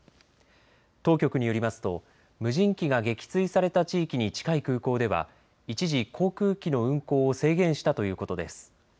当局によりますと無人機が撃墜された地域に近い空港では一時、航空機の運航を制限したということです。